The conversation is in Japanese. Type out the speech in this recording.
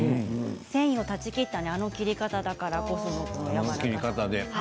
繊維を断ち切ったあの切り方だからこそですね。